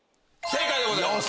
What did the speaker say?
正解でございます！